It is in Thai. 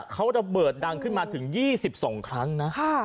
เขาระเบิดดังขึ้นมาถึง๒๒ครั้งนะ